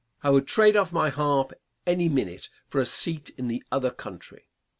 I would trade off my harp any minute for a seat in the other country.